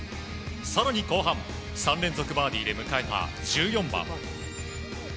更に後半、３連続バーディーで迎えた１４番。